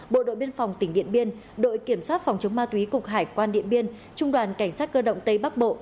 bộ đội biên phòng tỉnh điện biên đội kiểm soát phòng chống ma túy cục hải quan điện biên trung đoàn cảnh sát cơ động tây bắc bộ